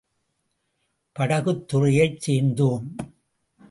படகுத் துறையைச் சேர்ந்தோம்.